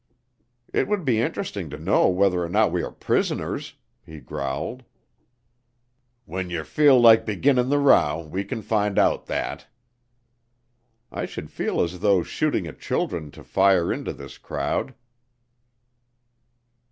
"It would be interesting to know whether or not we are prisoners," he growled. "When yer feel like beginnin' the row we can find out that." "I should feel as though shooting at children to fire into this crowd."